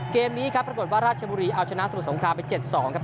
เกมนี้ครับปรากฏว่าราชบุรีเอาชนะสมุทรสงครามไป๗๒ครับ